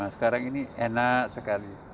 sekarang ini enak sekali